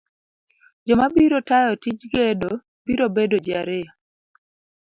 Joma biro tayo tij gedo biro bedo ji ariyo.